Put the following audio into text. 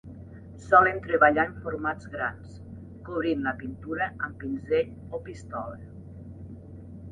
Solen treballar en formats grans, cobrint la pintura amb pinzell o pistola.